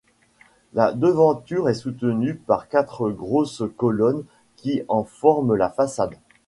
La devanture est soutenue par quatre grosses colonnes qui en forment la façade.